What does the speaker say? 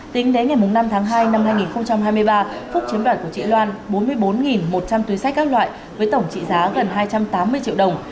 tính đến ngày năm tháng hai năm hai nghìn hai mươi ba phúc chiếm đoạt của chị loan bốn mươi bốn một trăm linh túi sách các loại với tổng trị giá gần hai trăm tám mươi triệu đồng